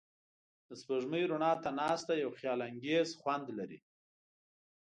د سپوږمۍ رڼا ته ناستې یو خیالانګیز خوند لري.